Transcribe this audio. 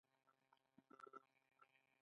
د خسرګنۍ احترام کول پکار دي.